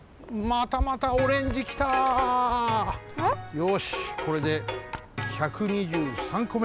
よしこれで１２３こめ。